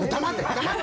黙って！